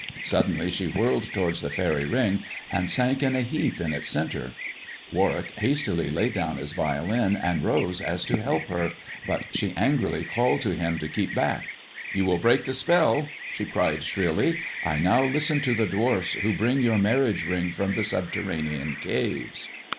Suddenly she whirled towards the faery ring and sank in a heap in its centre. Warwick hastily laid down his violin and rose as to help her ; but she angrily called to him to keep back. "You will break the spell," she cried shrilly. "I now listen to the dwarfs who bring your marriage ring from the subterranean caves."